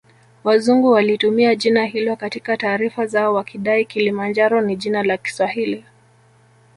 Wazungu walitumia jina hilo katika taarifa zao wakidai Kilimanjaro ni jina la Kiswahili